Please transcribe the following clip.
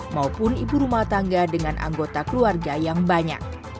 maupun ibu rumah tangga dengan anggota keluarga yang banyak